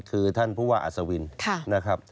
คือท่านผู้ว่าอสวิน